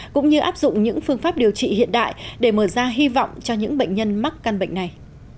cũng như áp dụng những phương pháp điều trị hiện đại để mở ra hy vọng cho những bệnh nhân mắc căn bệnh này